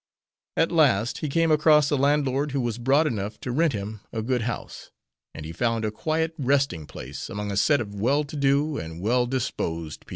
At last he came across a landlord who was broad enough to rent him a good house, and he found a quiet resting place among a set of well to do and well disposed people.